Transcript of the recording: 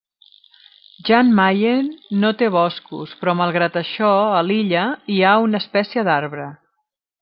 Jan Mayen no té boscos però malgrat això a l'illa hi ha una espècie d'arbre.